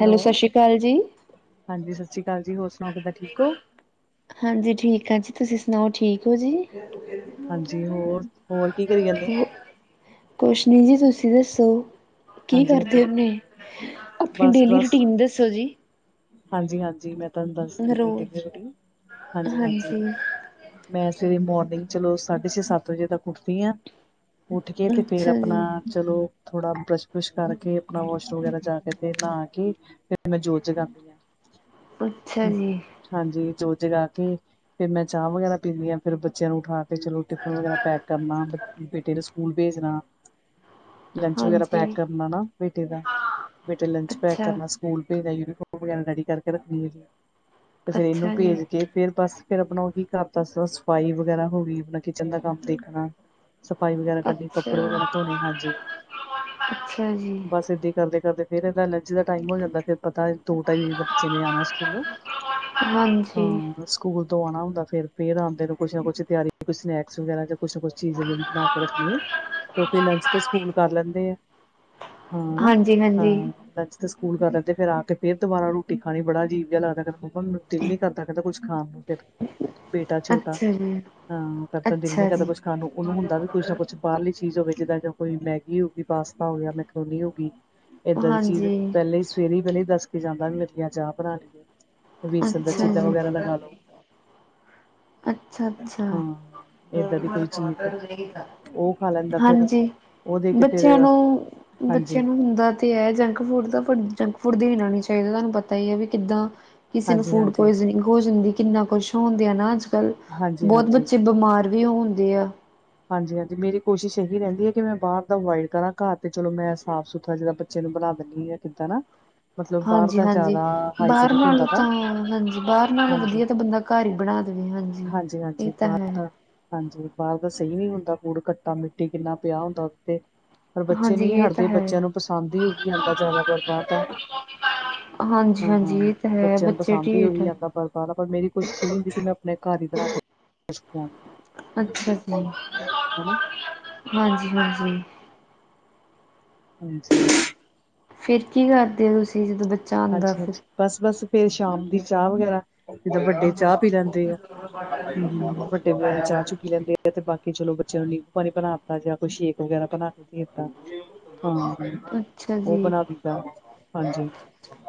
Hello, ਸਤਿ ਸ਼੍ਰੀ ਅਕਾਲ ਜੀ। ਹਾਂਜੀ, ਸਤਿ ਸ੍ਰੀ ਅਕਾਲ ਜੀ ਹੋਰ ਸੁਣਾਓ ਕਿੱਦਾਂ ਠੀਕ ਹੋ। ਹਾਂਜੀ, ਠੀਕ ਆ ਜੀ ਤੁਸੀਂ ਸੁਣਾਓ ਠੀਕ ਹੋ ਜੀ। ਹਾਂਜੀ ਹੋਰ, ਹੋਰ ਕੀ ਕਰੀ ਜਾਂਦੇ। ਕੁਛ ਨਹੀਂ ਜੀ, ਤੁਸੀਂ ਦੱਸੋ! ਕੀ ਹਾਂਜੀ ਕਰਦੇ ਹਾਂਜੀ ਉਹਨੇ, ਆਪਣੀ ਬਸ ਡੇਲੀ ਬਸ ਰੂਟੀਨ ਦੱਸੋ ਜੀ। ਹਾਂਜੀ, ਹਾਂਜੀ ਮੈਂ ਤੁਹਾਨੂੰ ਦੱਸਦੀ ਹਾਂ। ਆਪਣੀ ਡੇਲੀ ਰੋਜ਼ ਰੁਟੀਨ। ਹਾਂਜੀ -ਹਾਂਜੀ ਮੈਂ ਸਵੇਰੇ ਮੋਰਨਿੰਗ ਚਲੋ, ਸਾਢੇ ਛੇ ਸੱਤ ਵਜੇ ਤੱਕ ਉੱਠਦੀ ਆ। ਉੱਠ ਕੇ ਤੇ ਫੇਰ ਅੱਛਾ ਜੀ ਆਪਣਾ। ਚਲੋ ਥੋੜਾ ਬਰੱਸ਼ ਬੁਰਸ਼ ਕਰਕੇ, ਆਪਣਾ ਵਾਸ਼ਰੂਮ ਵਗੈਰਾ ਜਾ ਕੇ, ਤੇ ਨਹਾ ਕੇ। ਫੇਰ ਮੈਂ ਜੋਤ ਜਗਾ। ਹੱ [unintelligible] ਹਾਂਜੀ, ਜੋਤ ਜਗਾ ਕੇ ਫੇਰ ਮੈਂ ਚਾਹ ਵਗੈਰਾ ਪੀ ਨੀਂ ਹਾਂ, ਫੇਰ ਬੱਚਿਆਂ ਨੂੰ ਉਠਾ ਫੇਰ ਚਲੋ ਟਿਫਨ ਵਗੈਰਾ ਪੈਕ ਕਰਨਾ, ਬੇਟੇ ਨੂੰ ਸਕੂਲ ਭੇਜਣਾ। ਲੰਚ ਵਗੈਰਾ ਹਾਂਜੀ ਪੈਕ ਕਰਨਾ ਨਾ ਬੇਟੇ ਦਾ, ਬੇਟੇ ਲੰਚ ਪੈਕ ਅੱਛਾ ਕਰਨਾ, ਸਕੂਲ ਭੇਜਨਾ ਯੂਨੀਫਾਰਮ। ਵਗੈਰਾ ਰੇਡੀ ਕਰਕੇ ਰੱਖਣੀ। ਫੇਰ ਅੱਛਾ ਇਹਨੂੰ ਜੀ ਭੇਜ ਕੇ ਫੇਰ ਬੱਸ ਫਿਰ ਆਪਣਾ ਉਹੀ ਘਰ ਦਾ, ਸਫ਼ਾਈ ਵਗੈਰਾ ਹੋ ਗਈ। ਆਪਣਾ ਕਿਚਨ ਦਾ ਕੰਮ ਦੇਖਣਾ। ਸਫ਼ਾਈ ਵਗੈਰਾ ਕਰਨੀ, ਅੱਛਾ ਕੱਪੜੇ ਵਗੈਰਾ ਧੋਣੇ, ਹਾਂਜੀ ਅੱਛਾ ਜੀ ਬੱਸ ਏਦਾਂ ਹੀ ਕਰਦੇ, ਕਰਦੇ ਫਿਰ ਇਹਦਾ ਲੰਚ ਦਾ ਟਾਈਮ ਹੋ ਜਾਂਦਾ। ਫਿਰ ਪਤਾ ਦੋ ਢਾਈ ਵਜੇ ਤੱਕ ਬੱਚੇ ਨੇ ਆਣਾ ਸਕੂਲੋ ਹਾਂ। ਹਾਂਜੀ ਸਕੂਲ ਤੋਂ ਆਉਣਾ ਹੁੰਦਾ, ਫੇਰ ਆਉਂਦੇ ਕੁਛ ਨਾ ਕੁਛ ਤਿਆਰੀ ਸਨੈਕਸ ਵਗੈਰਾ, ਜਾਂ ਕੁਛ ਨਾ ਕੁਛ ਚੀਜ਼ ਬਣਾ ਕੇ ਰੱਖਣੀ ਹੈ। ਤੋ ਪਹਿਲਾ‌ ਲੱਚ ਤੇ ਸਕੂਲ ਕਰ ਲੈਂਦੇ ਹੈ। ਹਾ ਨਾ ਹਾਂਜੀ ਹਾਂਜੀ ਹਾਂ ਲੱਚ ਤੇ ਸਕੂਲ ਕਰ ਲੈਂਦੇ ਫੇਰ ਆ ਕੇ। ਫਿਰ ਦੁਬਾਰਾ ਰੋਟੀ ਖਾਣੀ ਬੜਾ ਅਜੀਬ ਜਿਹਾ ਲੱਗਦਾ। ਕਹਦਾ ਮੰਮਾ ਮੇਨੂ ਦਿਲ ਨਹੀਂ ਕਰਦਾ ਕਹਿੰਦਾ ਕੁਛ ਖਾਣ ਨੂੰ ਫਿਰ। ਬੇਟਾ ਛੋਟਾ ਅੱਛਾ ਜੀ ਹਾਂ। ਕਰਦਾ ਦਿਲ ਨੀ ਅੱਛਾ ਕਰਦਾ ਜੀ ਕੁਛ ਖਾਣ ਨੂੰ ਉਹਨੂੰ ਹੁੰਦਾ ਵੀ ਕੁੱਛ ਨਾ ਕੁਛ ਬਾਹਰਲੀ ਚੀਜ਼ ਹੋਵੇ, ਜਿਦਾ ਜਾਂ ਕੋਈ ਮੈਗੀ ਹੋਗੀ, ਪਾਸਤਾ ਹੋ ਗਿਆ, ਮੈਕਰੂਨੀ ਹੋ ਗਈ। ਏਦਾਂ ਦੀ ਚੀਜ਼, ਹਾਂਜੀ ਪਹਿਲੇ ਸਵੇਰੇ ਪਹਿਲੇ ਹੀ ਦੱਸ ਕੇ ਜਾਂਦਾ, ਮਿੱਠਆ ਚਾਹ ਬਣਾ ਲਈ ਏ। ਬੇਸਣ ਦਾ ਅੱਛਾ ਚੀਲਾ ਜੀ। ਵਗੈਰਾ ਲਗਾ ਲੋ। ਅੱਛਾ -ਅੱਛਾ ਹਾਂ ਏਦਾਂ ਦੀ ਕੋਈ ਚੀਜ਼ ਉਹ ਖਾ ਲੈਂਦਾ ਫਿਰ ਹਾਂਜੀ ਉਹ ਦੇ [unintelligible] ਕੇ ਫਿਰ ਬੱਚਿਆਂ ਨੂੰ ਬੱਚਿਆਂ ਹਾਂਜੀ ਨੂੰ ਹੁੰਦਾ। ਤੇ ਹੈ ਜੰਕ ਫੂਡ ਤਾਂ, ਜੰਕ ਫੂਡ ਦੇਣਾ ਨੀ ਚਾਹੀਦਾ, ਤੁਹਾਨੂੰ ਪਤਾ ਹੀ ਹੈ ਵੀ ਕਿੱਦਾਂ। ਕਿਸੇ ਨੂੰ ਹਾਂਜੀ ਫੂਡ ਹਾਂਜੀ ਪੁਆਇਜ਼ਨੀਂ ਹੋ ਜਾਂਦੀ, ਕਿੰਨਾ ਕੁਛ ਹੋਂਦੇ ਆ ਨਾ। ਅੱਜ ਕੱਲ ਹਾਂਜੀ ਬੋਹਤ ਹਾਂਜੀ ਬੱਚੇ ਬਿਮਾਰ। ਵੇ ਹੋਂਦੇ ਆ। ਹਾਂਜੀ, ਹਾਂਜੀ ਮੇਰੀ ਕੋਸ਼ਿਸ਼ ਏਹੀ ਰਹਿੰਦੀ ਏ। ਕਿ ਮੈਂ ਬਾਹਰ ਦਾ ਏਵਾਇਡ ਕਰਾਂ। ਘਰ ਤੇ ਚਲੋ ਮੈਂ ਸਾਫ਼ ਸੁਥਰਾ ਜੇੜਾ ਜਿਵੇ ਬਨਾ ਦੇਂਦੀ ਐ ਕਿੱਦਾਂ ਨਾ। ਮਤਲਬ ਬਾਹਰ ਹਾਂਜੀ, ਦਾ ਹਾਂਜੀ ਜ਼ਿਆਦਾ ਬਾਹਰ ਹਾਈਜੀਨਿਕ ਨਾਲੋਂ, ਹੁੰਦਾ ਤਾਂ ਵਾ ਹਾਂਜੀ ਬਾਹਰ ਨਾਲੋਂ ਹਾਂਜੀ। ਵਧੀਆ ਤਾਂ ਬੰਦਾ ਘਰ ਹੀ ਬਣਾ ਦੇਨੀ ਆਂ, ਹਾਂਜੀ ਇਹ ਹਾਂਜੀ-ਹਾਂਜੀ ਤਾਂ ਬਾਹਰ ਹੈ। ਦਾ ਹਾਂਜੀ, ਬਾਹਰ ਤਾਂ ਸਹੀ ਨੀ ਹੁੰਦਾ, ਧੂੜ ਘੱਟਾ ਮਿੱਟੀ ਕਿੰਨਾ ਪਿਆ ਹੁੰਦਾ। ਉਤੇ ਪਰ ਬੱਚੇ ਹਾਂਜੀ ਨਹੀਂ ਇਹ ਤਾਂ ਹਟਦੇ ਹੈ ਬੱਚਿਆਂ ਨੂੰ ਪਸੰਦ ਈ ਉਈ ਆਂਦਾ, ਜਾਦਾਤੱਰ ਬਾਹਰ ਦਾ। ਹਾਂਜੀ ਹੂ, ਹਾਂਜੀ ਇਹ ਤਾਂ ਹੈ ਬੱਚਿਆਂ ਨੂੰ ਬੱਚੇ ਪਸੰਦ ਈ ਔਈ ਢੀਠ ਆਂਦਾ ਪਰ ਪਰ ਰਬ ਮੇਰੀ ਕੋਈ ਸੂਨੀ ਦੀ ਸੀ, ਮੈਂ ਆਪਣੇ ਘਰ ਈ ਕਰਾ ਪੁੱਤ। ਕੋਰਨਰ ਕੋਰਨਰ ਕੀ ਸ਼ਬਦ ਲਾਆ ਹਾਂਜੀ, ਹਾਂਜੀ। [unintelligible] ਹਾਂਜੀ। [inaudible] ਫਿਰ ਕੀ ਕਰਦੇ ਔ, ਤੁਸੀਂ ਜਦੋਂ ਬੱਚੇ ਹਾਂਜੀ, ਹਾਂਜੀ ਬੱਸ ਬੱਸ ਫੇਰ ਸ਼ਾਮ ਦੀ ਚਾਹ ਵਗੈਰਾ, ਜਦੋਂ ਵੱਡੇ ਚਾਹ ਪੀ ਲੈਂਦੇ ਆ, ਵੱਡੇ ਵਗੈਰਾ ਚਾਹ-ਚੁ ਪੀ ਲੈਂਦੇ ਆ। ਤੇ ਬਾਕੀ ਚਲੋ ਬੱਚਿਆਂ ਨੂੰ ਨੀੰਬੂ ਪਾਣੀ ਬਨਾ ਦਿੱਤਾ, ਯਾ ਕੋਈ ਸ਼ੇਕ ਵਗੈਰਾ ਬਨਾਕੇ ਦਿੱਤਾ, ਹਾਂ। ਅੱਛਾ ਓ ਬਨਾ ਦਿਤਾ, ਹਾਂਜੀ।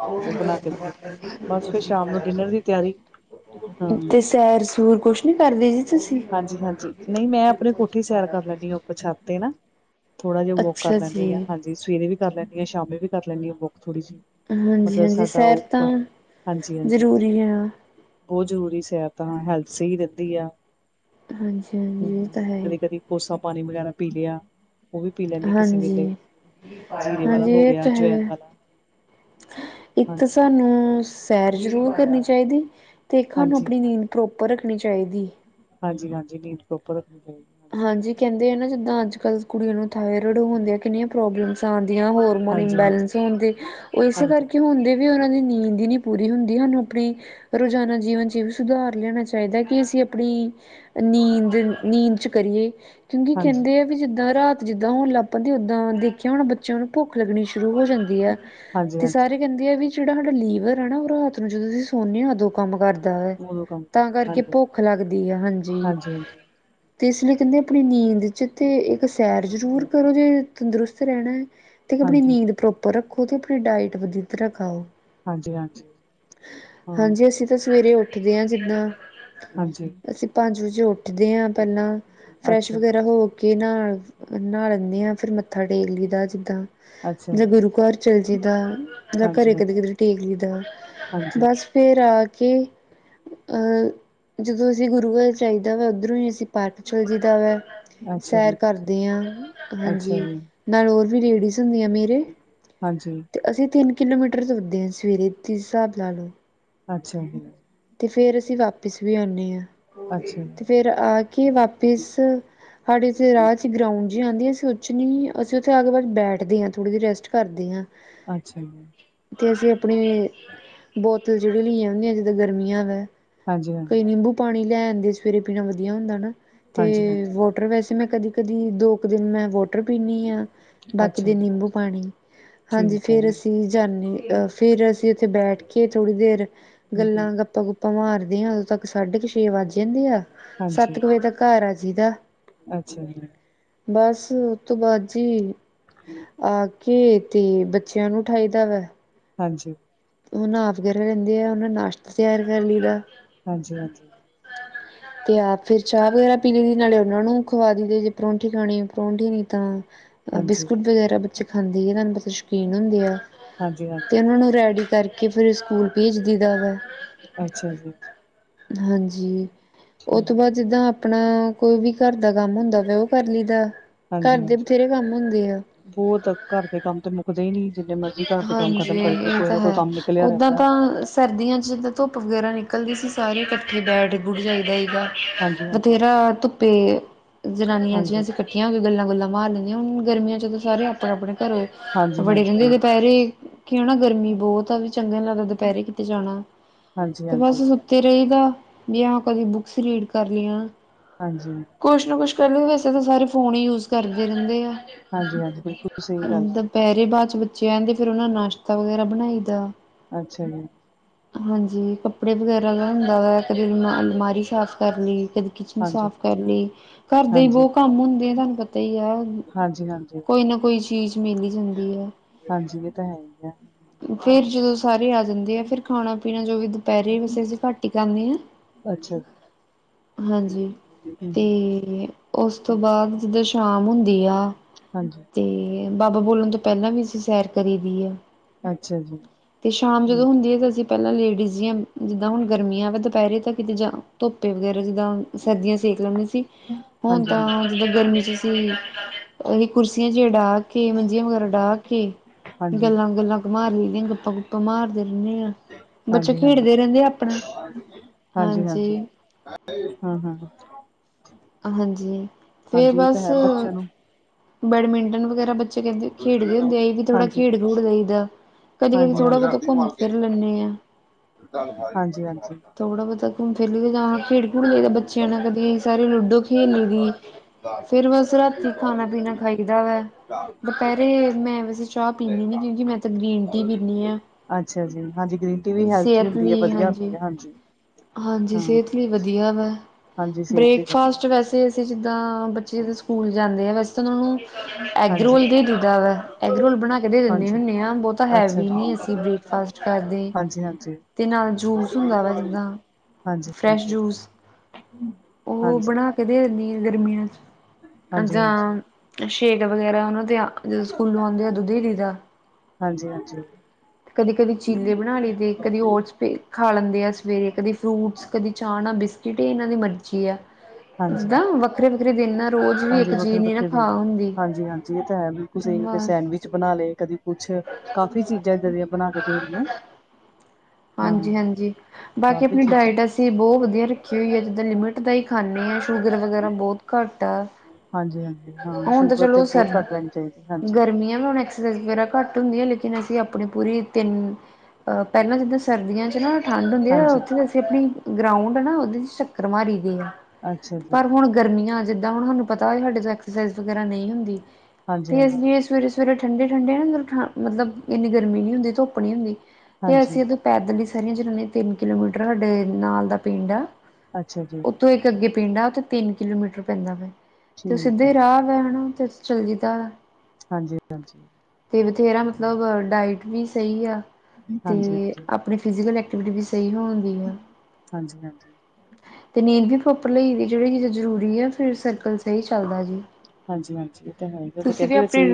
ਉਹ ਬਣਾ ਕੇ ਦਿੰਦੇ, ਬਸ ਫੇਰ ਸ਼ਾਮ ਨੂੰ ਡਿਨਰ ਦੀ ਤਿਆਰੀ ਹਾਂ। ਤਿਸ ਸੈਰ-ਸੂਰ ਕੁਛ ਨੀ ਕਰਦੇ ਸੀ? ਹਾਂਜੀ-ਹਾਂਜੀ, ਨਹੀਂ ਮੈਂ ਆਪਨੇ ਕੋਠੇ ਸੈਰ ਕਰ ਲੈਂਨੀ ਆ, ਉਪਰ ਛੱਤ ਤੇ ਨਾ। ਥੋੜ੍ਹਾ ਜੇਹਾ ਵੋੱਕ ਕਰ ਅੱਛਾ ਜੀ, ਲੈਂਨੀ ਆ, ਹਾਂਜੀ, ਸਵੇਰੇ ਵੀ ਕਰ ਲੈਂਨੀ ਆ, ਸ਼ਾਮੀ ਵੀ ਕਰ ਲੈਂਨੀ ਆ, ਵੌਕ ਥੋੜੀ ਜੀ। ਮਤਲਬ ਹਾਂਜੀ-ਹਾਂਜੀ ਸਾਡਾ ਸੈਰ ਤਾਂ ਉੱਪਰ, ਹਾਂਜੀ-ਹਾਂਜੀ। ਜ਼ਰੂਰੀ ਆ। ਬੋਤ ਜ਼ਰੂਰੀ ਸੈਰ ਤਾਂ, ਹੈਲਥ ਸਹੀ ਰਹਿੰਦੀ ਆ। ਹਾਂਜ ਹੂੰ, ਕਦੀ-ਕਦੀ ਕੋਸਾ ਪਾਨੀ ਵਗੈਰਾ ਪੀ ਲਿਆ। ਓ ਵੀ ਪੀ ਲੈਂਨੀ ਆ ਕਿਸੇ ਵੇਲੇ, ਹਾਂਜੀ। ਜ਼ੀਰੇ ਵਾਲਾ ਹਾਂਜੀ ਇਹ ਹੋਗਿਆ, ਤਾਂ ਹੈ, ਜਵੈਨ ਵਾਲਾ। ਇੱਕ ਤਾ ਹਾਂਜੀ ਸਾਨੂੰ, ਸੈਰ ਜ਼ਰੂਰ ਕਰਨੀ ਚਾਈਦੀ, ਤੇ ਇਕ ਹਾਨੂੰ ਹਾਂਜੀ ਆਪਨੀ ਨੀਂਦ ਪ੍ਰੋਪਰ ਰੱਖਨੀ ਚਾਈਦੀ। ਹਾਂਜੀ-ਹਾਂਜੀ, ਨੀਂਦ ਪ੍ਰੌਪਰ ਰਖ [unintelligible] ਹਾਂਜੀ ਕਹਿੰਦੇ ਏ ਨਾ, ਜਿੱਦਾਂ ਅੱਜ-ਕੱਲ ਕੁੜੀਆਂ ਨੂੰ ਥਾਇਰੋਇਡ ਹੁੰਦੇ ਆ, ਕਿੰਨੀਆਂ ਪ੍ਰੋਬਲਮਸ ਆਂਦੀਆਂ ਹੋਰ। ਮੋਨ ਹਾਂਜੀ ਹਾਂਜੀ ਇੰਮਬੈਲੈਂਸ ਹੋਂਦੇ, ਓ ਏਸੇ ਹਾਂਜੀ ਕਰਕੇ ਹੋਂਦੇ। ਵੀ ਉਹਨਾਂ ਦੀ ਨੀਂਦ ਈ ਨਹੀਂ ਪੂਰੀ ਹੁੰਦੀ, ਹਾਨੂੰ ਆਪਣੀ ਰੋਜਾਨਾ ਜੀਵਨ'ਚ ਏ ਵੀ ਸੁਧਾਰ ਲਿਆਣਾ ਚਾਈਦਾ ਕਿ ਅਸੀਂ ਅਪਣੀ, ਨੀਂਦ-ਨੀਂਦ'ਚ ਕਰੀਏ, ਕਿਉਂਕਿ ਹਾਂਜੀ ਕਹਿੰਦੇ ਆ ਵੀ ਜਿਦਾਂ ਰਾਤ ਜਿੱਦਾਂ ਹੋਨ ਲੱਗ ਪੈਂਦੀ, ਓਦਾਂ ਦੇਖਿਆ ਹੋਣਿਆ ਬੱਚਿਆਂ ਨੂੰ ਭੁੱਖ ਲੱਗਨੀ ਸ਼ੁਰੂ ਹੋ ਜਾਂ ਹਾਂਜੀ ਤੇ ਹਾਂਜੀ ਸਾਰੇ ਕਹਿੰਦੇ ਆ, ਵੀ ਜੇਹੜਾ ਹਾਡਾ ਲੀਵਰ ਆ ਨਾ, ਓ ਰਾਤ ਨੂੰ ਜਦੋਂ ਅਸੀ ਸੋਂਦੇ ਆਂ, ਅਦੋ ਕੰਮ ਕਰਦਾ ਵੈ, ਉਦੋਂ ਕੰਮ ਤਾਂ ਕਰਦਾ ਕਰਕੇ ਹਾਂਜੀ ਭੁੱਖ ਲੱਗਦੀ ਆ, ਹਾਂਜੀ। ਤੇ ਇਸ ਲਈ ਕਹਿੰਦੇ ਆਪਨੀ ਨੀਂਦ'ਚ ਤੇ, ਇੱਕ ਸੈਰ ਜ਼ਰੂਰ ਹਾਂਜੀ ਕਰੋ, ਜੇ ਤੰਦਰੁਸਤ ਰਹਿਣਾ। ਇਕ ਆਪਣੀ ਹਾਂਜੀ ਨੀਂਦ ਪ੍ਰੋਪਰ ਰੱਖੋ, ਤੇ ਆਪਨੀ ਡਾਇਟ ਵਧੀ ਤਰਾ ਖਾਓ। ਹਾਂਜੀ ਹਾਂ ਹਾਂਜੀ, ਅਸੀਂ ਤਾਂ ਸਵੇਰੇ ਉਠਦੇ ਆਂ ਜਿੱਦਾਂ ਹਾਂਜੀ। ਅਸੀਂ ਪੰਜ ਵਜੇ ਉੱਠਦੇ ਆਂ ਪਹਿਲਾਂ, ਫਰੈਸ਼ ਅੱਛਾ ਜੀ ਵਗੈਰਾ ਹੋ ਕੇ ਨ੍ਹਾਲ, ਨ੍ਹਾ ਲੈਂਨੇ ਆਂ, ਫੇਰ ਮੱਥਾ ਟੇਕ ਲਈਦਾ ਜਿੱਦਾਂ। ਅੱਛਾ ਜਾ ਜੀ ਗੁਰੂ ਘਰ ਚਲਜੀ ਦਾ, ਜਾ ਘਰੇ ਹਾਂਜੀ ਹਾਂਜੀ ਕਦੇ-ਕਦੇ ਟੇਕ ਲੀਦਾ, ਹਾਂਜੀ ਬਸ। ਫੇਰ ਆਕੇ, ਅ ਜਦੋਂ ਅਸੀਂ ਗੁਰੂ ਘਰ ਚਾਈਦਾ ਵਾ, ਓਧਰੋਂ ਈ ਅਸੀਂ ਪਾਰਕ ਚਲ ਜੀਦਾ ਵੈ, ਅੱਛਾ ਸੈਰ ਜੀ ਕਰਦੇ ਆਂ, ਅੱਛਾ ਹਾਂਜੀ। ਜੀ ਨਾਲ ਓਰ ਵੀ ਲੇਡੀਜ਼ ਹੁੰਦੀਆਂ ਮੇਰੇ, ਹਾਂਜੀ ਤੇ ਅਸੀਂ ਤਿੰਨ ਕਿਲੋਮੀਟਰ ਤੁਰਦੇ ਆਂ ਸਵੇਰੇ, ਤੁਸੀ ਸ੍ਹਾਬ ਲਾਲੋ। ਅੱਛਾ ਜੀ। ਤੇ ਫੇਰ ਅਸੀ ਵਾਪਿਸ ਵੀ ਆਂਨੇ ਆ, ਅੱਛਾ ਤੇ ਜੀ, ਫੇਰ ਆ ਕਿ ਵਾਪਿਸ, ਹਾਡੇ ਇੱਥੇ ਰਾਹ'ਚ ਗ੍ਰਾਉਂਡ ਜੀ ਆਂਦੀ ਆ, ਅਸੀਂ ਉ'ਚ ਨਈ ਅਸੀਂ ਉੱਥੇ ਆਕੇ ਬਸ ਬੈਠਦੇ ਆਂ, ਥੋੜ੍ਹੀ ਜਿਹੀ ਰੈਸਟ ਕਰਦੇ ਆਂ। ਅੱਛਾ ਜੀ। ਤੇ ਅਸੀਂ ਅਪਣੀ ਬੋਤਲ ਜੀ ਲਈਆਂ ਹੁੰਦੀਆਂ, ਜਿੱਦਾਂ ਗਰਮੀਆਂ ਵੈ। ਹਾਂਜੀ- ਕਈ ਨਿੰਬੂ ਪਾਣੀ ਲੈ ਆਂਦੇ, ਸਵੇਰੇ ਪੀਣਾ ਵਧੀਆ ਹੁੰਦਾ ਨਾ। ਤੇ, ਹਾਂਜੀ, ਹਾਂਜੀ- ਵੌਟਰ ਵੈਸੇ ਮੈਂ ਕਦੀ-ਕਦੀ ਦੋ ਕੁ ਦਿਨ ਮੈਂ ਵੋ ਟਰ ਪੀਨੀਂ ਆ, ਹਾਂਜੀ ਬਾਕੀ ਅੱਛਾ ਦੇ ਜੀ, ਨਿੰਬੂ ਪਾਣੀ, ਹਾਂਜੀ, ਠੀਕ ਹੈ, ਫੇਰ ਅਸੀਂ ਜਾਂਨੇੇ ਅ ਫਿਰ ਅਸੀਂ ਉੱਥੇ ਬੈਠਕੇ ਥੋੜੀ ਦੇਰ, ਹੂੰ- ਹੂੰ ਗੱਲਾਂ, ਗੱਪਾਂ-ਗੁੱਪਾਂ ਮਾਰਦੇ ਆ, ਉਦੋਂ ਤੱਕ ਸਾਢੇ ਕ ਛੇ ਵੱਜ ਜਾਂਦੇ ਆ, ਹਾਂਜੀ, ਸੱਤ ਕ ਵਜੇ ਤੱਕ ਘਰ ਆਜੀ ਦਾ। ਅੱਛਾ ਜੀ, ਹਾਂਜੀ, ਬਸ, ਉ ਤੋ ਬਾਅਦ ਜੀ ਹਮ [inaudible] ਆ ਕੇ ਤੇ ਬੱਚਿਆਂ ਨੂੰ ਉਠਾਈਦਾ ਵਾ ਹਾਂਜੀ। ਉਹ ਨਾ ਆਪ ਕਰ ਲੈਂਦੇ ਆ ਉਹਨੇ ਨਾਸ਼ਤਾ ਤਿਆਰ ਕਰ ਲਈਦਾ। ਹਾਂਜੀ-ਹਾਂਜੀ। ਹਾਂਜੀ [inaudible] ਤੇ ਆਪ ਫਿਰ ਚਾਹ ਵਗੈਰਾ ਪੀ ਲਈ ਦੀ, ਨਾਲੇ ਉਹਨਾਂ ਨੂੰ ਖਵਾ ਦਿੰਦੇ ਜੇ ਪਰੌਂਠੀ ਖਾਣੀ ਪਰੌਂਠੀ ਨੀ ਤਾਂ ਹਾਂਜੀ- ਬਿਸਕੁਟ ਵਗੈਰਾ ਬੱਚੇ ਖਾਂਦੇ ਹੀ ਰਹਿੰਦੇ ਹੈ, ਤੁਹਾਨੂੰ ਪਤਾ ਸ਼ੌਕੀਨ ਹੁੰਦੇ ਆ ਹਾਂਜੀ ਤੇ ਉਹਨਾਂ ਨੂੰ ਰੈਡੀ ਕਰਕੇ ਫਿਰ ਸਕੂਲ ਭੇਜਦਈ ਦਾ ਵਾ। ਅੱਛਾ ਜੀ, ਹਾਂਜੀ ਉਹ ਤੋਂ ਠੀਕ ਬਾਅਦ ਹੈ, ਜਿੱਦਾਂ ਆਪਣਾ ਕੋਈ ਵੀ ਘਰ ਦਾ ਕੰਮ ਹੁੰਦਾ ਵਾ ਉਹ ਕਰ ਲਈਦਾ ਏ। ਘਰ ਹਾਂਜੀ- ਦੇ ਹਾਂਜੀ ਬਥੇਰੇ ਕੰਮ ਹੁੰਦੇ ਆ। ਬਹੁਤ ਘਰ ਦੇ ਕੰਮ ਤੇ ਮੂੰ ਮੁੱਕਦੇ ਹੀ ਨੀ ਜਿੰਨੇ ਮਰਜ਼ੀ ਘਰ ਤੇ ਕੰਮ ਹਾਂਜੀ ਖਤਮ ਕਰੀ ਜਾਓ, ਇਹ ਕੋਈ ਤਾਂ ਨਾ ਕੋਈ ਹੈ। ਕੰਮ ਨਿਕਲਿਆ ਓਦਾਂ ਰਹਿੰਦਾ। ਤਾਂ ਸਰਦੀਆਂ ਚ ਜਿੱਦਾਂ ਧੁੱਪ ਵਗੈਰਾ ਨਿਕਲਦੀ ਸੀ ਸਾਰੇ ਇਕੱਠੇ ਬੈਠਦੀ ਬੁੜ ਜਾਦਾ ਸੀਗਾ ਹਾਂਜੀ- ਹਾਂਜੀ, ਬਥੇਰਾ ਧੁੱਪੇ ਜਨਾਨੀਆਂ ਹਾਂਜੀ, ਹਾਂਜੀ- ਜਿਸੀ ਪਿੱਠੀਆਂ ਹੋ ਕੇ ਗੱਲਾਂ ਗੁੱਲਾਂ ਮਾਰ ਲੈਂਦੀਆਂ, ਹੁਣ ਗਰਮੀਆਂ ਚ ਤਾਂ ਸਾਰੇ ਆਪੋ ਆਪਣੇ ਘਰੋਂ ਹਾਂਜੀ-ਹਾਂਜੀ। ਕਹਿੰਦੇ ਦੁਪਹਿਰੇ ਕਿਉਂ ਨਾ ਗਰਮੀ ਬਹੁਤ ਆ ਵੀ ਚੰਗਾ ਨੀ ਲੱਗਦਾ ਦੁਪਹਿਰੇ ਕਿਤੇ ਜਾਣਾ। ਹਾਂਜੀ, ਤੇ ਬਸ ਸੁੱਤੇ ਰਹੀਦਾ ਵੀ ਆ ਕਦੀ ਬੁੱਕਸ ਰੀਡ ਕਰ ਲਈ ਆ। ਹਾਂਜੀ। ਕੁਛ ਨਾ ਕੁਛ ਕਰ ਵੈਸੇ ਤਾਂ ਸਾਰੇ ਫੋਨ ਹੀ ਯੂਜ ਕਰਦੇ ਰਹਿੰਦੇ ਆ। ਹਾਂਜੀ-ਹਾਂਜੀ ਬਿਲਕੁਲ ਸਹੀ ਗੱਲ ਹੈ। ਪਹਿਰੇ ਬਾਅਦ ਚ ਬੱਚੇ ਆਹਿੰਦੇ ਫਿਰ ਉਹਨਾਂ ਦਾ ਨਾਸ਼ਤਾ ਵਗੈਰਾ ਬਣਾਈ ਦਾ। ਅੱਛਾ ਜੀ। ਹਾਂਜੀ ਕੱਪੜੇ ਵਗੈਰਾ ਦਾ ਹੁੰਦਾ ਵਾ, ਕਦੇ ਅਲ ਅਲਮਾਰੀ ਸਾਫ਼ ਕਰ ਲਈ, ਕਦੇ ਕਿਚਨ ਹਾਂਜੀ, ਹਾਂਜੀ, ਸਾਫ਼ ਕਰ ਲਈ, ਘਰਦੇ ਹੀ ਬਹੁਤ ਕੰਮ ਹੁੰਦੇ ਆ ਤੁਹਾਨੂੰ ਪਤਾ ਹੀ ਆ। ਹਾਂਜੀ-ਹਾਂਜੀ। ਕੋਈ ਨਾ ਕੋਈ ਚੀਜ਼ ਮਿਲਈ ਜਾਂਦੀ ਹੈ। ਹਾਂਜੀ ਇਹ ਤਾਂ ਹੈ ਹੀ ਆ। ਫੇਰ ਜਦੋਂ ਸਾਰੇ ਆ ਜਾਂਦੇ ਆ ਫਿਰ ਖਾਣਾ ਪੀਣਾ ਜੋ ਵੀ ਦੁਪਹਿਰੇ ਵੈਸੇ ਅਸੀਂ ਘੱਟ ਹੀ ਖਾਂਦੇ ਹਾਂ। ਅੱਛਾ ਜੀ ਹਾਂਜੀ ਹੂੰ ਹੂੰ ਤੇ ਉਸ ਤੋਂ ਬਾਅਦ ਜਿੱਦਾਂ ਸ਼ਾਮ ਹੁੰਦੀ ਆ ਹਾਂਜੀ। ਤੇ ਬਾਬਾ ਬੋਲਣ ਤੋਂ ਪਹਿਲਾਂ ਵੀ ਅਸੀਂ ਸੈਰ ਕਰੀ ਦੀ ਐ। ਅੱਛਾ ਜੀ ਤੇ ਸ਼ਾਮ ਜਦੋਂ ਠੀਕ ਹੈ ਹੁੰਦੀ ਆ ਤੇ ਅਸੀਂ ਪਹਿਲਾਂ ਲੇਡੀਜ਼ ਜੀਆਂ ਜਿੱਦਾਂ ਹੁਣ ਗਰਮੀਆਂ ਵੇ ਦੁਪਹਿਰੇ ਤਾਂ ਕਿਤੇ ਜਾਂ ਧੋੱਪੇ ਵਗੈਰਾ ਜਿੱਦਾਂ ਸਰਦੀਆਂ ਸੇਕ ਲਾਉਣੇ ਸੀ, ਹੁਣ ਹਾਂਜੀ ਹਾਂਜੀ ਤਾਂ ਜਦੋਂ ਗਰਮੀ ਚ ਸੀ। ਕੁਰਸੀਆਂ ਚ ਡਾਹ ਕੇ ਮੰਜੀਆਂ ਵਗੈਰਾ ਡਾਹ ਕੇ, ਹਾਂਜੀ ਗੱਲਾਂ ਗੱਲਾਂ ਘੁੰਮਾ ਲਈਦੀਆਂ ਗੱਪਾਂ ਗੁੱਪਾ ਆਪਾਂ ਮਾਰਦੇ ਰਹਿੰਦੇ ਹਾਂ। ਹਾਂਜੀ ਬੱਚੇ ਹਾਂਜੀ ਹਾਂਜੀ ਖੇਡਦੇ ਰਹਿੰਦੇ ਆ ਆਪਣਾ ਹਾਂਜੀ। ਹਾਂ-ਹਾਂ-ਹਾਂ। ਹਾਂਜੀ ਫਿਰ ਇਹ ਤਾਂ ਬਸ ਹੈ ਬੱਚਿਆਂ ਨੂੰ ਬੈਡਮਿੰਟਨ ਵਗੈਰਾ ਬੱਚੇ ਕਹਿੰਦੇ ਖੇਡਦੇ ਹੁੰਦੇ ਐ। ਅਸੀਂ ਵੀ ਥੋੜਾ ਹਾਂਜੀ ਖੇਡ ਖੂਡ ਲਈ ਦਾ। ਕਦੀ-ਕਦੀ ਹਾਂਜੀ ਥੋੜ੍ਹਾ ਬਹੁਤਾ ਹਾਂਜੀ ਘੁੰਮ ਫਿਰ ਲੈਂਦੇ ਹਾਂ। ਹਾਂਜੀ- ਹਾਂਜੀ। ਥੋੜ੍ਹਾ ਬਹੁਤਾ ਘੁੰਮ ਫਿਰ ਲਈ ਜਾਂ ਹੁਣ ਖੇਡ-ਖੁਡ ਲਈਦਾ ਬੱਚਿਆਂ ਨੇ ਕਦੇ ਸਾਰੇ ਲੂਡੋ ਖੇਲ ਲਈ ਦੀ ਫਿਰ ਬਸ ਰਾਤੀ ਖਾਣਾ-ਪੀਣਾ ਖਾਈਦਾ ਵੈ। ਦੁਪਹਿਰੇ ਮੈਂ ਵੈਸੇ ਚਾਹ ਪੀਂਦੀ ਨੀ ਕਿਉਂਕਿ ਮੈਂ ਤਾਂ ਗ੍ਰੀਨ ਟੀ ਪੀਂਨੀ ਆ। ਅੱਛਾ ਜੀ ਹਾਂਜੀ ਗ੍ਰੀਨ ਟੀ ਵੀ ਹੈਲਥੀ ਹੁੰਦੀ ਏ, ਵਧੀਆ ਹੁੰਦੀ ਏ ਹਾਂਜੀ। ਹਾਂਜੀ ਹਾਂ ਸਿਹਤ ਲਈ ਵਧੀਆ ਵਾ। ਹਾਂਜੀ ਸਿਹਤ ਲਈ ਵਧੀਆ ਬ੍ਰੇਕਫਾਸਟ ਵੈਸੇ ਵੈਸੇ ਜਿੱਦਾਂ ਬੱਚੇ ਜਿੱਦਾਂ ਸਕੂਲ ਜਾਂਦੇ ਆ ਵੈਸੇ ਤਾਂ ਉਨਾਂ ਨੂੰ ਐਗ ਹਾਂਜੀ ਰੋਲ ਦੇ ਦੀ ਦਾ ਵਾ ਐਗ ਰੋਲ ਬਣਾ ਕੇ ਦੇ ਦਿੰਦੇ ਹਾਂਜੀ ਹੁੰਦੇ ਹਾਂ ਬੋਤਾ ਅੱਛਾ ਹੈਵੀ ਜੀ ਨੀ ਅਸੀਂ ਹਾਂਜੀ ਬ ਫਾਸਟ ਕਰਦੇ ਹਾਂਜੀ ਤੇ ਨਾਲ ਜੂਸ ਹੁੰਦਾ ਵਾ ਜਿੱਦਾਂ ਹਾਂਜੀ ਫਰੈਸ਼ ਹਾਂਜੀ ਜੂਸ ਓ ਹਾਂਜੀ ਬਣਾ ਕੇ ਦੇਨੀ ਗਰਮੀਆਂ ਹਾਂਜੀ ਜਾਂ ਹਾਂਜੀ ਸ਼ੇਕ ਵਗੈਰਾ ਉਨਾਂ ਦੇ ਜਦੋਂ ਸਕੂਲੋਂ ਆਉਂਦੇ ਉਦੋਂ ਦੀ ਦਾ ਹਾਂਜੀ-ਹਾਂਜੀ। ਕਦੇ-ਕਦੇ ਚੀਲੇ ਬਣਾ ਲਈਏ ਦੇ ਕਦੇ ਉਟਸ ਪੇ ਖਾ ਲੈਂਦੇ ਆ ਸਵੇਰੇ ਕਦੇ ਫਰੂਟਸ ਕਦੇ ਚਾਹ ਨਾ ਬਿਸਕਿਟ ਏ ਇਨਾਂ ਦੀ ਮਰਜ਼ੀ ਆ। ਹਾਂਜੀ ਜਿੱਦਾਂ ਵੱਖਰੇ-ਵੱਖਰੇ ਦਿਨ ਨਾ ਰੋਜ਼ ਵੀ ਹਾਂਜੀ ਇੱਕ ਚੀਜ਼ ਵੱਖਰੇ ਦੀ ਨਾ ਖਾ ਹੁੰਦੀ। ਕੁਛ ਨਈ ਵੀ ਬਸ। ਸੈਂਡਵਿਚ ਬਣਾ ਲਏ ਕਦੀ ਕੁਛ ਕਾਫ਼ੀ ਚੀਜ਼ਾਂ ਇੱਦਾਂ ਦੀਆਂ ਬਣਾ ਕੇ ਦਈ ਦੀਆਂ ਹਾਂਜੀ-ਹਾਂਜੀ ਬਾਕੀ ਆਪਣੀ ਡਾਇਟ ਅਸੀਂ ਬੋ ਵਧੀਆ ਰੱਖੀ ਹੋਈ ਹੈ ਜਿੱਦਾਂ ਲਿਮਿਟ ਦਾ ਈ ਖਾਂਣੇ ਆਂ। ਸ਼ੂਗਰ ਵਗੈਰਾ ਬੋਤ ਘੱਟ ਆ। ਹਾਂਜੀ ਹਾਂਜੀ ਹਾਂ ਹੁਣ ਤਾਂ ਸ਼ੂਗਰ ਤੇ ਚਲੋ ਸਰ ਬਹੁਤ ਘੱਟ ਲੈਣੀ ਚਾਹੀਦੀ ਹਾਂਜੀ ਗਰਮੀਆਂ ਵੀ ਹੁਣ ਘੱਟ ਹੁੰਦੀ ਆ ਲੇਕਿਨ ਅਸੀਂ ਆਪਣੀ ਪੂਰੀ ਤਿੰਨ ਪੈਲਾਂ ਜਿੱਦਾਂ ਸਰਦੀਆਂ 'ਚ ਨਾ ਠੰਡ ਹੁੰਦੀ ਆ ਹਾਂਜੀ ਉੱਥੇ ਅਸੀਂ ਆਪਣੀ ਗਰਾਉਂਡ ਆ ਨਾ ਉਦੇ 'ਚ ਚੱਕਰ ਮਾਰੀ ਦੇ ਆ। ਅੱਛਾ ਜੀ ਪਰ ਹੁਣ ਗਰਮੀਆਂ ਜਿੱਦਾਂ ਹੁਣ ਹਾਨੂੰ ਪਤਾ ਸਾਡੇ ਤੋਂ ਐਕਸਰਸਾਈਜ਼ ਵਗੈਰਾ ਨਈ ਹੁੰਦੀ। ਹਾਂਜੀ ਤੀਜ਼ ਹਾਂਜੀ ਵੀਹ ਸਵੀਰਸ ਸਵੇਰੇ ਠੰਡੇ-ਠੰਡੇ ਨਾ ਉੱਧਰ ਠ ਮਤਲਬ ਇੰਨੀ ਗਰਮੀ ਨਈ ਹੁੰਦੀ ਧੁੱਪ ਨਈ ਹੁੰਦੀ ਤੇ ਹਾਂਜੀ ਅਸੀਂ ਉੱਧਰ ਪੈਦਲ ਹੀ ਸਾਰੀਆਂ ਜ਼ਨਾਨੀਆਂ ਨੇ ਤਿੰਨ ਕਿਲੋਮੀਟਰ ਸਾਡੇ ਨਾਲ ਦਾ ਪਿੰਡ ਆ। ਅੱਛਾ ਜੀ। ਉਥੋਂ ਇੱਕ ਅੱਗੇ ਪਿੰਡ ਆ ਤਿੰਨ ਕਿਲੋਮੀਟਰ ਪੈਂਦਾ ਵਾ ਤੇ ਠੀਕ ਹੈ ਸਿੱਧੇ ਜੀ ਰਾਹ ਵਾ ਹਨਾ ਤੇ ਚਲ ਜੀ ਦਾ ਵਾ। ਹਾਂਜੀ-ਹਾਂਜੀ। ਤੇ ਬਥੇਰਾ ਮਤਲਬ ਡਾਇਟ ਵੀ ਸਈ ਆ ਤੇ ਹਾਂਜੀ ਹਾਂਜੀ ਆਪਣੀ ਫਿਜ਼ੀਕਲ ਐਕਟੀਵਿਟੀ ਵੀ ਸਈ ਹੋਣ ਦੀ ਆ। ਹਾਂਜੀ ਹਾਂਜੀ ਤੇ ਨੀਂਦ ਵੀ ਪ੍ਰੋਪਰ ਲਈ ਜੇੜੀ ਚੀਜ਼ਾਂ ਜ਼ਰੂਰੀ ਹੈ ਫਿਰ ਸਰਕਲ ਸਈ ਚੱਲਦਾ ਜੀ। ਹਾਂਜੀ-ਹਾਂਜੀ ਏ ਤਾਂ ਹੈ ਉਦੋਂ ਤੁਸੀਂ ਵੀ ਕੈਂਦੇ ਵਏ ਸੀ ਆਪਣੀ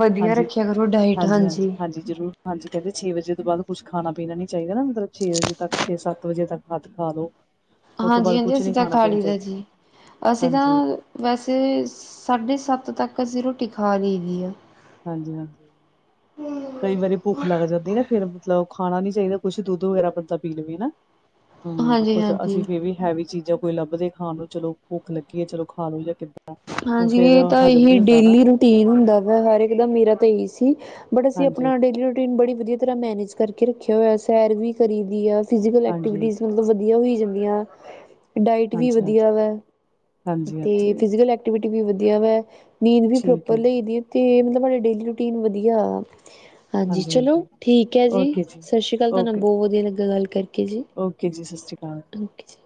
ਵਧੀਆ ਰੱਖਿਆ ਕਰੋ ਡਾਇਟ ਹਾਂਜੀ ਹਾਂਜੀ-ਹਾਂਜੀ-ਹਾਂਜੀ-ਹਾਂਜੀ। ਜ਼ਰੂਰ ਹਾਂਜੀ ਕੈਂਦੇ ਛੇ ਵਜੇ ਤੋਂ ਬਾਦ ਕੁਛ ਖਾਣਾ ਪੀਣਾ ਨੀ ਚਾਈਦਾ ਨਾ ਮਤਲਬ ਛੇ ਵਜੇ ਤੱਕ ਛੇ ਸੱਤ ਵਜੇ ਤੱਕ ਹੱਥ ਖਾ ਲੋ। ਉਹ ਤੋਂ ਬਾਅਦ ਹਾਂਜੀ-ਹਾਂਜੀ ਕੁਛ ਅਸੀਂ ਨੀ ਤਾਂ ਖਾਣਾ ਖਾ ਪੀਣਾ ਲੀ ਦਾ ਚਾਹੀਦਾ। ਜੀ। ਅਸੀਂ ਤਾਂ ਹਾਂਜੀ, ਵੈਸੇ ਸਾਢੇ ਸੱਤ ਤੱਕ ਅਸੀਂ ਰੋਟੀ ਖਾ ਲਈ ਦੀ ਆ। ਹਾਂਜੀ-ਹਾਂਜੀ। ਕਈ ਵਾਰੀ ਭੁੱਖ ਲੱਗ ਜਾਂਦੀ ਨਾ ਫਿਰ ਮਤਲਬ ਖਾਣਾ ਨੀ ਚਾਈਦਾ ਕੁਛ ਦੁੱਧ ਵਗੈਰਾ ਬੰਦਾ ਪੀ ਲਵੇ ਨਾ। [inaudible] ਹੂੰ ਕੁਛ ਅਸੀਂ ਹਾਂਜੀ ਫਿਰ ਵੀ ਹੈਵੀ ਚੀਜ਼ਾਂ ਕੋਈ ਲੱਭਦੇ ਖਾਣ ਨੂੰ ਚਲੋ ਭੁੱਖ ਲੱਗੀ ਐ ਚਲੋ ਖਾ ਲਓ ਜਾਂ ਕਿੱਦਾਂ ਉਹ ਹਾਂਜੀ ਫੇਰ ਏ ਤਾਂ ਹਜ਼ਮ ਇਹੀ ਨੀ ਹੁੰਦਾ ਨਾ ਡੇਲੀ ਰੂਟੀਨ ਹੁੰਦਾ ਵਾ ਹਰ ਇੱਕ ਦਾ ਮੇਰਾ ਤਾਂ ਇਹੀ ਸੀ। ਬਟ ਅਸੀਂ ਹਾਂਜੀ, ਆਪਣਾ ਡੇਲੀ ਰੂਟੀਨ ਬੜੀ ਵਧੀਆ ਤਰ੍ਹਾਂ ਮੈਨੇਜ ਕਰਕੇ ਰੱਖਿਆ ਹੋਇਆ ਸੈਰ ਵੀ ਕਰੀ ਦੀ ਆ। ਫਿਜ਼ਕਲ ਹਾਂਜੀ, ਐਕਟੀਵਿਟੀ ਮਤਲਬ ਵਧੀਆ ਹੋਈ ਜਾਂਦੀਆਂ। ਡਾਇਟ ਵੀ ਹਾਂਜੀ-ਹਾਂਜੀ, ਵਧੀਆ ਵੈ ਅਤੇ ਹਾਂਜੀ-ਹਾਂਜੀ ਫਿਜ਼ੀਕਲ ਐਕਟੀਵਿਟੀ ਵੀ ਵਧੀਆ ਵੈ। ਨੀਂਦ ਵੀ ਠੀਕ ਪ੍ਰੋਪਰ ਹੈ ਜੀ। ਲਈ ਦੀ, ਤੇ ਡੇਲੀ ਰੂਟੀਨ ਵਧੀਆ [inaudible] ਹਾਂਜੀ, ਚਲੋ ਠੀਕ ਹੈ ਜੀ। ਸਤਿ ਸ਼੍ਰੀ ਅਕਾਲ, ਤੁਹਾਨੂੰ ਨਾਲ ਓਕੇ ਬਹੁਤ ਵਧੀਆ ਲੱਗਾ ਗੱਲ ਕਰਕੇ ਜੀ। ਓਕੇ ਜੀ, ਸਤਿ ਸ਼੍ਰੀ ਅਕਾਲ ਓਕੇ ਜ